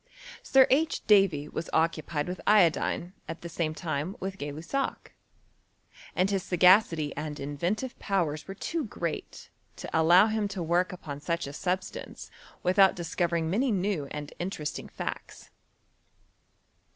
Sir H. Davy was occu pied with iodine at the same time with Gay Lussac ; and his sagacity and inventive powers were too great to allow him to woriL upon such a substance without discovering many new and interesting facts.